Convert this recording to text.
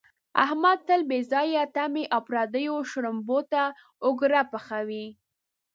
احمد تل بې ځایه تمې او پردیو شړومبو ته اوګره پحوي.